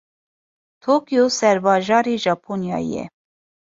Tokyo serbajarê Japonyayê ye.